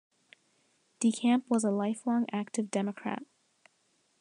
DeCamp was a lifelong active Democrat.